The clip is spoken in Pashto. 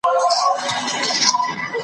له منګولو او له زامي د زمریو .